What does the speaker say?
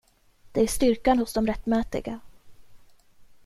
Det är styrkan hos de rättmätiga.